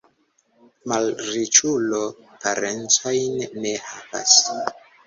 Malriĉulo parencojn ne havas.